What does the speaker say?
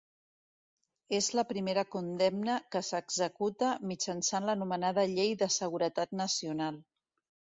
És la primera condemna que s’executa mitjançant l’anomenada llei de seguretat nacional.